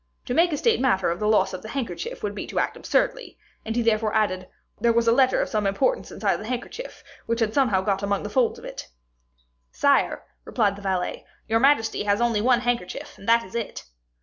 To make a state matter of the loss of the handkerchief would be to act absurdly, and he therefore added, "There was a letter of some importance inside the handkerchief, which had somehow got among the folds of it." "Sire," said the valet, "your majesty had only one handkerchief, and that is it."